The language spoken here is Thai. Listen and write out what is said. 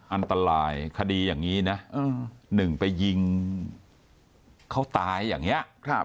อันตรายคดีอย่างนี้นะ๑ไปยิงเขาตายอย่างนี้